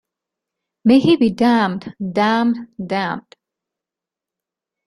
May he be damned, damned, damned!